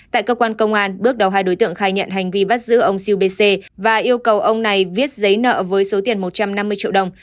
tại cơ quan công an bước đầu hai đối tượng khai nhận hành vi bắt giữ ông siêu b c và yêu cầu ông này viết giấy nợ với số tiền một trăm năm mươi triệu đồng